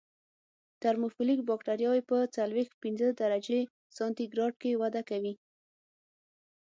ترموفیلیک بکټریاوې په څلویښت پنځه درجې سانتي ګراد کې وده کوي.